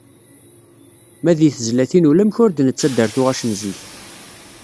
Ma di tizlatin ulamek ur d-nettader tuɣac n zik.